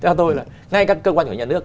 theo tôi là ngay các cơ quan của nhà nước